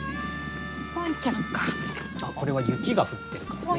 これは雪が降ってるからね